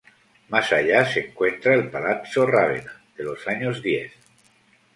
Más allá se encuentra el "Palazzo Ravenna", de los años diez.